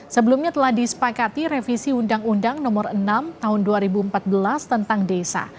sebelumnya telah disepakati revisi undang undang nomor enam tahun dua ribu empat belas tentang desa